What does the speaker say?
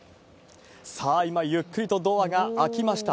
さあ、今ゆっくりとドアが開きました。